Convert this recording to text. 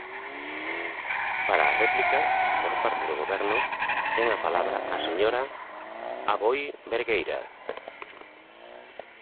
Para a réplica, por parte do Goberno, ten a palabra a señora Aboi Bergueira.